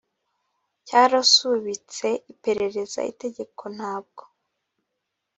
cyarasubitse iperereza itegeko ntabwo